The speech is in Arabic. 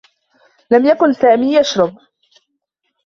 لم يكن سامي يشرب.